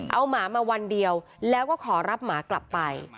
เอาหมามาวันเดียวแล้วก็ขอรับหมากลับไป